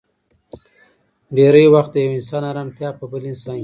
ډېری وخت د يو انسان ارمتيا په بل انسان کې وي.